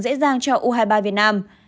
dễ dàng cho u hai mươi ba việt nam